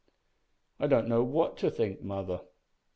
"I don't know what to think, mother.